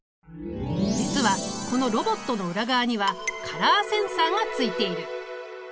実はこのロボットの裏側にはカラーセンサーがついている。